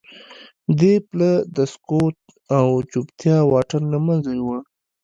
دې پله د سکوت او چوپتیا واټن له منځه یووړ